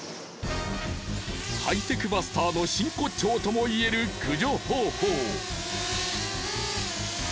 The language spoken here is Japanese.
ハイテクバスターの真骨頂ともいえる駆除方法。